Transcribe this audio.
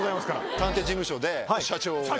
探偵事務所で社長をやって。